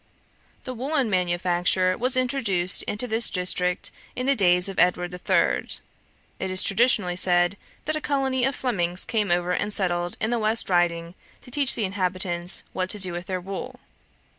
The woollen manufacture was introduced into this district in the days of Edward III. It is traditionally said that a colony of Flemings came over and settled in the West Riding to teach the inhabitants what to do with their wool.